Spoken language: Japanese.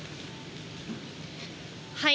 はい。